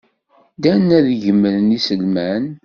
Ddan ad gemren iselman.